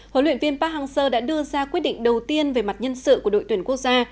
huấn luyện viên park hang seo đã đưa ra quyết định đầu tiên về mặt nhân sự của đội tuyển quốc gia